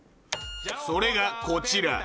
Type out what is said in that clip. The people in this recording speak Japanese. それがこちら